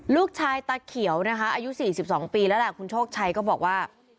ตาเขียวนะคะอายุ๔๒ปีแล้วแหละคุณโชคชัยก็บอกว่า